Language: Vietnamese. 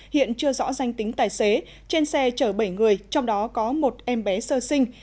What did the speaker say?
hiện chưa rõ danh tính tài xế trên xe chở bảy người trong đó có một em bé sơ sinh